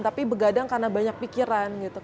tapi begadang karena banyak pikiran gitu kebetulan itu